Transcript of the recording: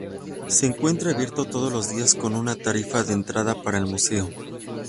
Se encuentra abierto todos los días con una tarifa de entrada para el museo.